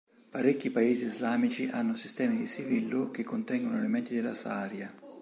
Parecchi paesi islamici hanno sistemi di "civil law" che contengono elementi della sharia.